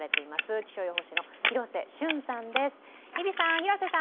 気象予報士の広瀬俊さんです。